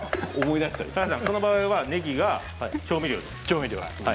この場合はねぎが調味料。